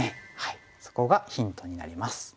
そこがヒントになります。